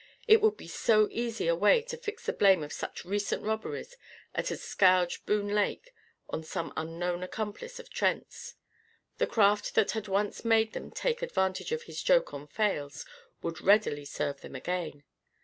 It would be so easy a way to fix the blame of such recent robberies as had scourged Boone Lake on some unknown accomplice of Trent's! The craft that had once made them take advantage of his joke on Fales would readily serve them again.